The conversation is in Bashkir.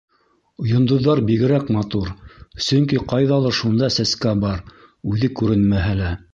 Йондоҙҙар бигерәк матур, сөнки ҡайҙалыр шунда сәскә бар, үҙе күренмәһә лә...